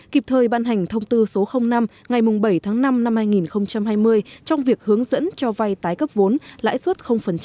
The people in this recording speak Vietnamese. kịp thời ban hành thông tư số năm ngày bảy tháng năm năm hai nghìn hai mươi trong việc hướng dẫn cho vay tái cấp vốn lãi suất